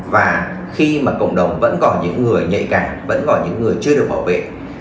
và khi mà cộng đồng vẫn có những người nhạy càng vẫn có những người chưa được bảo vệ